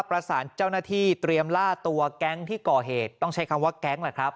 ประสานเจ้าหน้าที่เตรียมล่าตัวแก๊งที่ก่อเหตุต้องใช้คำว่าแก๊งแหละครับ